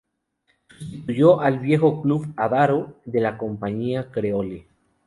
Sustituyó al viejo Club Adaro de la Compañia Creole.